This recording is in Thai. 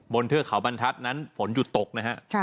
เทือกเขาบรรทัศน์นั้นฝนหยุดตกนะฮะ